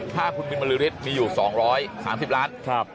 ถ้าคุณบินบริษฐ์มีอยู่๒๓๐ล้าน